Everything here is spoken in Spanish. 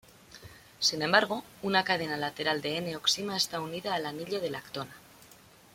Sin embargo una cadena lateral de N-oxima está unida al anillo de lactona.